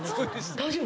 大丈夫？